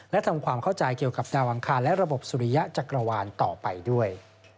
และทำความเข้าใจเกี่ยวกับดาวอังคารและระบบสุริยะจักรวาลต่อไปด้วย